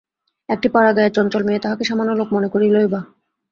একটি পাড়াগাঁয়ের চঞ্চল মেয়ে তাঁহাকে সামান্য লোক মনে করিলই বা।